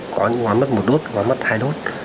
có những ngón mất một đốt và mất hai đốt